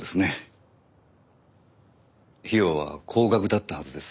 費用は高額だったはずです。